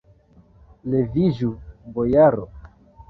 Leviĝu, bojaro!